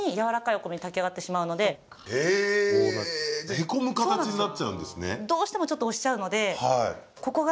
へこむ形になっちゃうんですね？